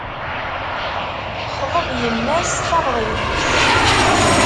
Xḍeb yemma-s, taɣeḍ yelli-s.